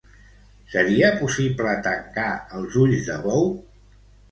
Seria possible tancar els ulls de bou?